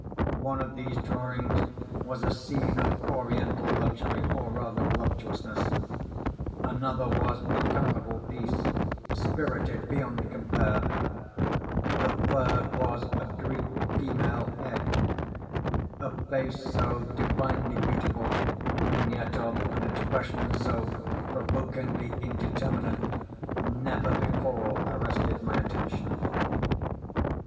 One of these drawings was a scene of Oriental luxury, or rather voluptuousness; another was a "carnival piece," spirited beyond compare; the third was a Greek female head—a face so divinely beautiful, and yet of an expression so provokingly indeterminate, never before arrested my attention.